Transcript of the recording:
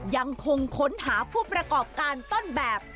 ยังคงค้นหาผู้ประกอบการต้นแบบ